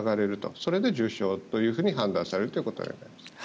それで重症と判断されるということになります。